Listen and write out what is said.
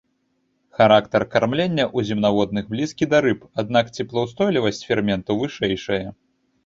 Характар кармлення ў земнаводных блізкі да рыб, аднак цеплаўстойлівасць ферментаў вышэйшая.